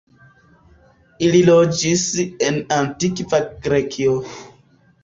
Ili loĝis en Antikva Grekio.